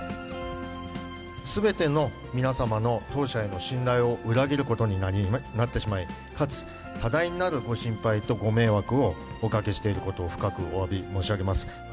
すべての皆様の当社への信頼を裏切ることになってしまい、かつ多大なるご心配とご迷惑をおかけしていることを深くおわび申